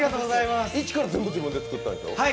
イチから全部自分で作ったんでしょう？